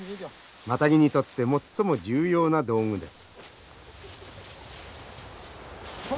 マタギにとって最も重要な道具です。